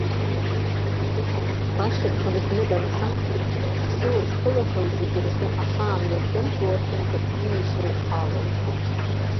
Баша дхынҳәны данца ԥсуа зхылаҳәоу зегь рзы ахаан ирхымҵуа хьымӡӷ дуны ишрыдхало.